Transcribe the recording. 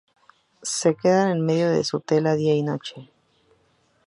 Se quedan en el medio de su tela día y noche.